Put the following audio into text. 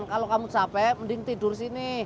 kalau kamu capek mending tidur sini